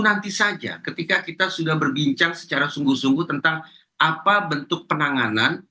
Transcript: nanti saja ketika kita sudah berbincang secara sungguh sungguh tentang apa bentuk penanganan